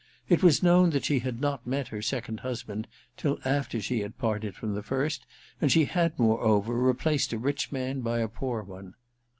It was known that she had not met her second husband till after she had parted from the first, and she had, moreover, replaced a rich man by a poor one.